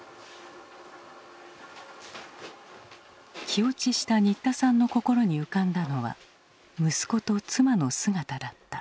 気落ちした新田さんの心に浮かんだのは息子と妻の姿だった。